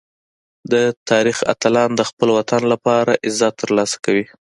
د تاریخ اتلان د خپل وطن لپاره عزت ترلاسه کوي.